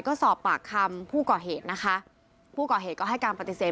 ก็สอบปากคำผู้ก่อเหตุนะคะผู้ก่อเหตุก็ให้การปฏิเสธ